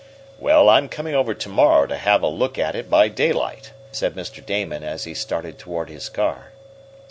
"Well, I'm coming over to morrow to have a look at it by daylight," said Mr. Damon, as he started toward his car.